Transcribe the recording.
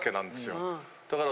だから。